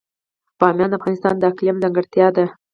بامیان د افغانستان د اقلیم ځانګړتیا ده.